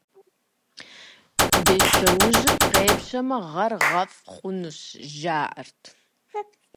Бещтоужьыр къепщэмэ, гъэр гъэфӀ хъунущ, жаӀэрт.